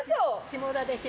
下田で。